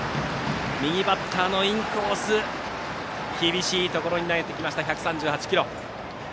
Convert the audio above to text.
右バッターのインコース厳しいところに投げてきました１３８キロ。